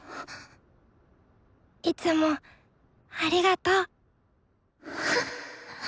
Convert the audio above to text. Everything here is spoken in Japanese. いつもありがと。